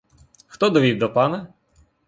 Хто довів до пана?